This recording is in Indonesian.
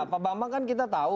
pak bambang kan kita tahu